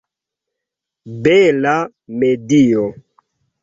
Bela medio!